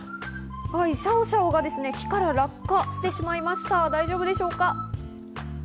シャオシャオがですね、木から落下してしまいました、大丈夫でしょうか？